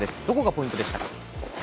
どこがポイントでしたか？